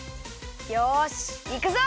よしいくぞ！